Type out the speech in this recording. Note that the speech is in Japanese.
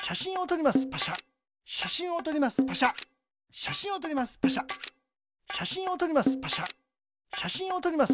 しゃしんをとります。